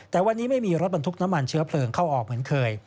แต่วันนี้ไม่มีรถบรรทุกน้ำมันเชื้อเพลิงเข้าออกเหมือนเคย